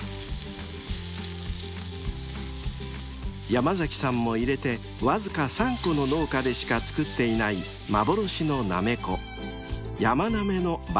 ［山さんも入れてわずか３戸の農家でしか作っていない幻のなめこ］